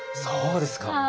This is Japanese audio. そうですか。